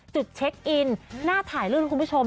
จุดเช็คอินหน้าถ่ายรูปนะครับคุณผู้ชม